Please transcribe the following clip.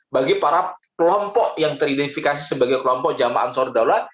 bagi para kelompok yang teridentifikasi sebagai kelompok jama' ansor daulat